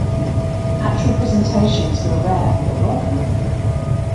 Actual presentations were rare but welcome.